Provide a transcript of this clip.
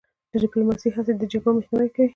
د ډیپلوماسی هڅې د جګړو مخنیوی کوي.